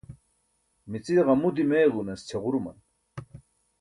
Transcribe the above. mici ġamu dimeegunas ćʰaġuruman